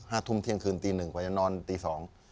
ทุ่มเที่ยงคืนตีหนึ่งกว่าจะนอนตีสอง